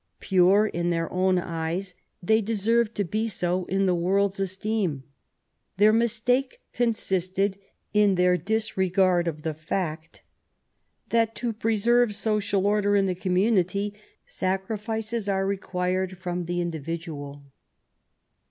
Pure in their own eyes, they deserve to be so in the world's esteem. , Their mistake consisted in their disregard of the fact that, to preserve social order in the community, y sacrifices are required from the individual.